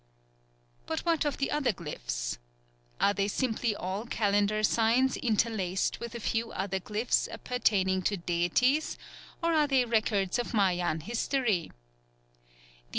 But what of the other glyphs? Are they simply all calendar signs interlaced with a few other glyphs appertaining to deities; or are they records of Mayan history?